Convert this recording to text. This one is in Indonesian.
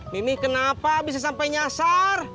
mimi kenapa bisa sampai nyasar